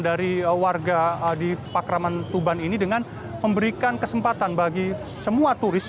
dari warga di pakraman tuban ini dengan memberikan kesempatan bagi semua turis